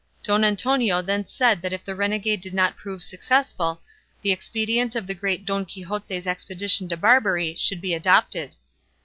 Don Antonio then said that if the renegade did not prove successful, the expedient of the great Don Quixote's expedition to Barbary should be adopted.